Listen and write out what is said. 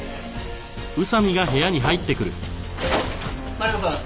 マリコさん